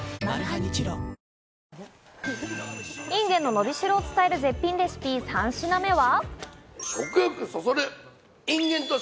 インゲンののびしろを変える絶品レシピ、３品目は。